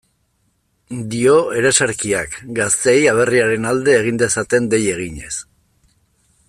Dio ereserkiak, gazteei aberriaren alde egin dezaten dei eginez.